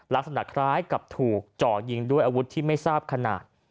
ลักษณะคล้ายกับถูกจ่อยิงด้วยอาวุธที่ไม่ทราบขนาด